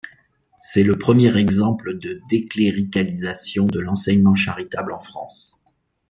C'est le premier exemple de décléricalisation de l'enseignement charitable en France.